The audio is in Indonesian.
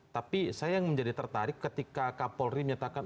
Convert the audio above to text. tapi saya yang menjadi tertarik ketika kak polri menyatakan